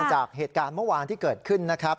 จากเหตุการณ์เมื่อวานที่เกิดขึ้นนะครับ